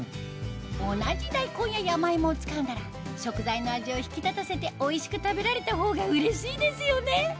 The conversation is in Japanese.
同じ大根ややまいもを使うなら食材の味を引き立たせておいしく食べられたほうがうれしいですよね！